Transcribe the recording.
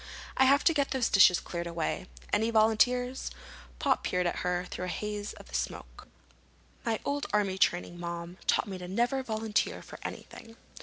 "I have to get those dishes cleared away. Any volunteers?" Pop peered at her through the haze of smoke. "My old army training, Mom, taught me never to volunteer for anything."